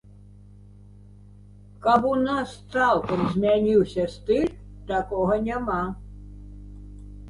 Каб у нас цалкам змяніўся стыль, такога няма.